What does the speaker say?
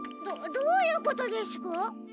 どどういうことですか？